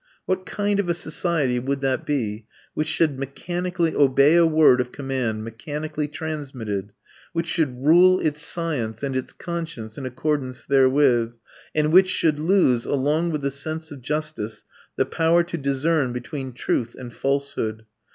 What kind of a society would that be which should mechanically obey a word of command mechanically transmitted; which should rule its science and its conscience in accordance therewith; and which should lose, along with the sense of justice, the power to discern between truth and falsehood?